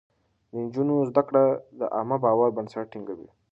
د نجونو زده کړه د عامه باور بنسټ ټينګوي.